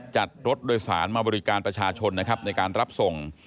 จัดรถโดยสารมาบริการประชาชนนะครับในการรับส่ง